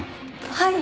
はい。